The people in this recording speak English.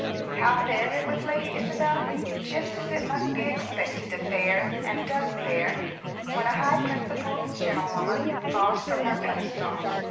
How fared it with Lady Isabel? Just as it must be expected to fare, and does fare, when a high principled gentlewoman falls from her pedestal.